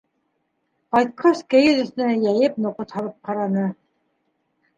Ҡайтҡас, кейеҙ өҫтөнә йәйеп, ноҡот һалып ҡараны.